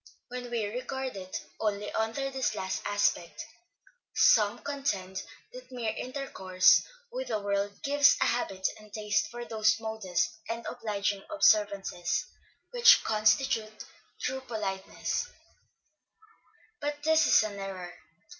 When we regard it only under this last aspect, some contend that mere intercourse with the world gives a habit and taste for those modest and obliging observances which constitute true politeness; but this is an error.